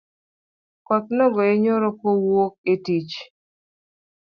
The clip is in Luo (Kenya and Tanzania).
Koth nogoye nyoro kowuok e tich